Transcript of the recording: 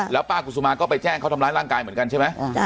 แล้วป้ากุศุมาก็ไปแจ้งเขาทำร้ายร่างกายเหมือนกันใช่ไหม